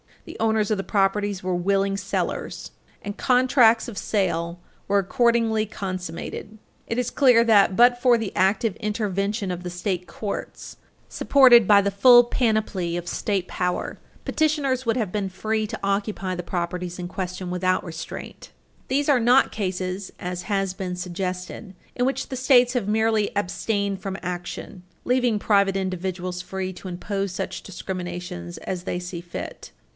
The owners of the properties were willing sellers, and contracts of sale were accordingly consummated. It is clear that, but for the active intervention of the state courts, supported by the full panoply of state power, petitioners would have been free to occupy the properties in question without restraint. These are not cases, as has been suggested, in which the States have merely abstained from action, leaving private individuals free to impose such discriminations as they see fit.